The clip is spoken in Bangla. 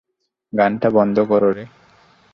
গানটা বন্ধ কর রে!